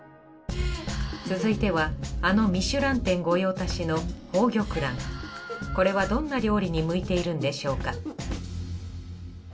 続いてはあのミシュラン店御用達のこれはどんな料理に向いているんでしょうか？